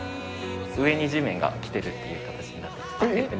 上に地面がきてるっていう形になってて。